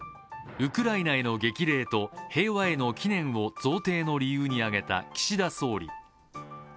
ウクライナへの激励と平和への祈念を贈呈の理由に挙げた岸田総理。